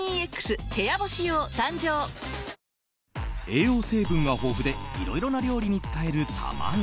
栄養成分が豊富でいろいろな料理に使える卵。